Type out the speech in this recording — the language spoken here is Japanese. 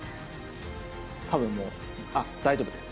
たぶんもうあっ大丈夫です。